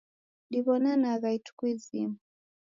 Diwonanagha ituku izima